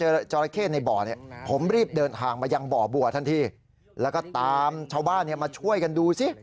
และก็ตามชาวบ้านมาช่วยกันดูซิ